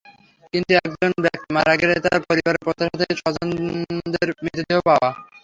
কিন্তু একজন ব্যক্তি মারা গেলে তার পরিবারের প্রত্যাশা থাকে স্বজনের মৃতদেহ পাওয়া।